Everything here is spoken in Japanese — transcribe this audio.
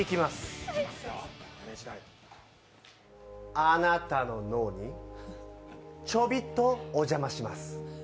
あなたの脳にちょびっとお邪魔します。